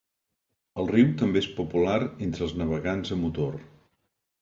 El riu també és popular entre els navegants a motor.